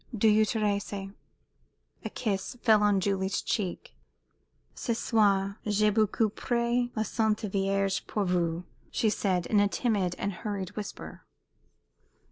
"Do you, Thérèse?" A kiss fell on Julie's cheek. "Ce soir, j'ai beaucoup prié la Sainte Vierge pour vous!" she said, in a timid and hurried whisper.